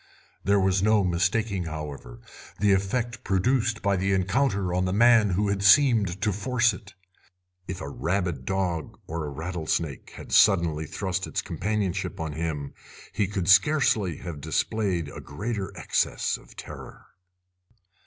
There was no mistaking, however, the effect produced by the encounter on the man who had seemed to force it. If a rabid dog or a rattlesnake had suddenly thrust its companionship on him he could scarcely have displayed a greater access of terror.